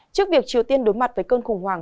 trước việc triều tiên đối mặt với cơn khủng hoảng